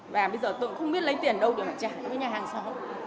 và bây giờ tôi cũng không biết lấy tiền đâu để trả với nhà hàng sao